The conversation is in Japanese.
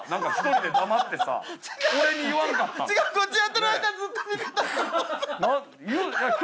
違うこっちやってる間ずっと見てた。